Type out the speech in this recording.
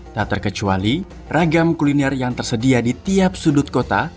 tak terkecuali ragam kuliner yang tersedia di tiap sudut kota